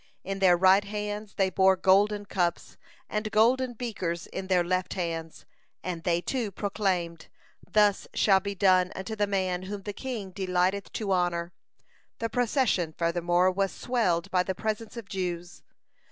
In their right hands they bore golden cups, and golden beakers in their left hands, and they, too, proclaimed: "Thus shall be done unto the man whom the king delighteth to honor." The procession furthermore was swelled by the presence of Jews.